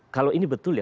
kalau ini betul ya